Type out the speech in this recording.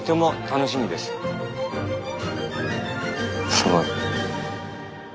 すごい。